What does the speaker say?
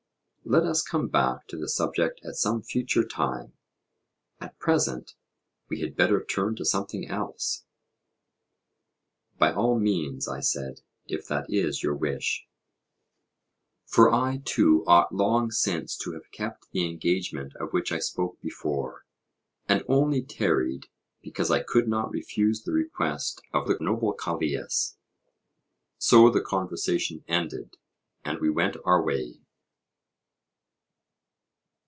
Let us come back to the subject at some future time; at present we had better turn to something else. By all means, I said, if that is your wish; for I too ought long since to have kept the engagement of which I spoke before, and only tarried because I could not refuse the request of the noble Callias. So the conversation ended, and we went our way.